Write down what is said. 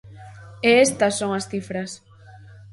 E estas son as cifras.